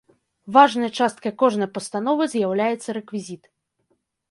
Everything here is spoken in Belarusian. Важнай часткай кожнай пастановы з'яўляецца рэквізіт.